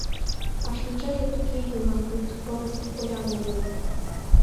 А шинчаже туге йӱла, пуйто пырыс колям ужын.